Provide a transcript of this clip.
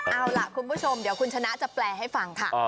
เอาล่ะคุณผู้ชมเดี๋ยวคุณชนะจะแปลให้ฟังค่ะ